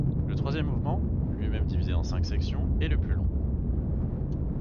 Le troisième mouvement, lui-même divisé en cinq sections, est le plus long.